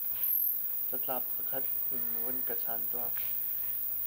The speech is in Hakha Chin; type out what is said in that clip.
Catlap pakhat in van ka chan tuah!